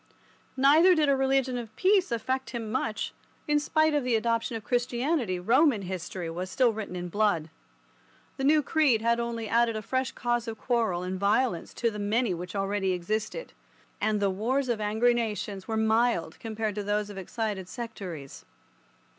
Neither did a religion of peace affect him much, for, in spite of the adoption of Christianity, Roman history was still written in blood. The new creed had only added a fresh cause of quarrel and violence to the many which already existed, and the wars of angry nations were mild compared to those of excited sectaries.